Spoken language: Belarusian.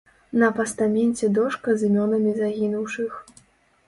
На пастаменце дошка з імёнамі загінуўшых.